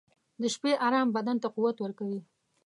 • د شپې ارام بدن ته قوت ورکوي.